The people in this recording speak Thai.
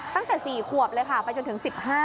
ตั้งแต่๔ขวบเลยค่ะไปจนถึง๑๕